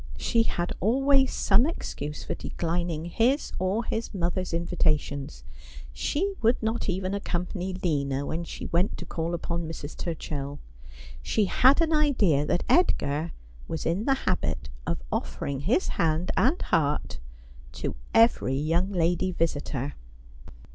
She had always some excuse for declining his or his mother's invitations. She would not even accompany Lina when she went to call upon Mrs. Turchill. She had an idea that Edgar was in the habit of offering his hand and heart to every young lady visitor.